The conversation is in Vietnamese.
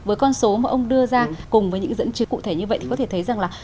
với con số mà ông đưa ra cùng với những dẫn chế cụ thể như vậy thì có thể thấy rằng là